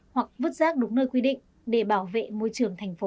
hoặc vứt rác đúng nơi quy định để bảo vệ môi trường thành phố